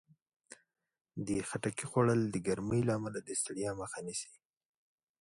د خټکي خوړل د ګرمۍ له امله د ستړیا مخه نیسي.